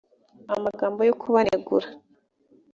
amagambo yo kubanegura